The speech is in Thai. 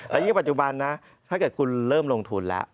และยิ่งปัจจุบันนะถ้าเกิดคุณเริ่มลงทุนแล้ว